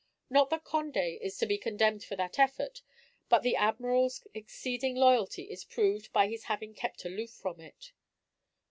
Not that Condé is to be condemned for that effort, but the Admiral's exceeding loyalty is proved by his having kept aloof from it.